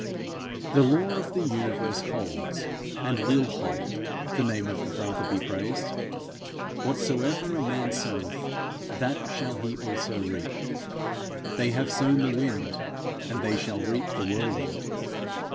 The law of the universe holds, and will hold, the name of the Father be praised: 'Whatsoever a man soweth, that shall he also reap.' 'They have sown the wind, and they shall reap the whirlwind.'